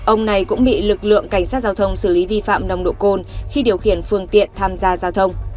ông này cũng bị lực lượng cảnh sát giao thông xử lý vi phạm nồng độ cồn khi điều khiển phương tiện tham gia giao thông